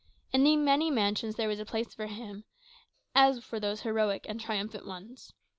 In the many mansions there was a place for him, as for those heroic and triumphant ones.